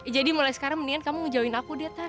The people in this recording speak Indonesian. jadi mulai sekarang mendingan kamu ngejauhin aku deh tan